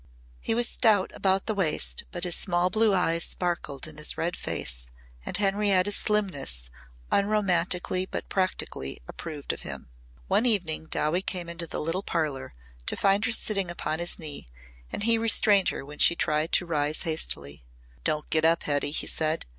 He was stout about the waist but his small blue eyes sparkled in his red face and Henrietta's slimness unromantically but practically approved of him. One evening Dowie came into the little parlour to find her sitting upon his knee and he restrained her when she tried to rise hastily. "Don't get up, Hetty," he said.